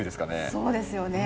そうですよね。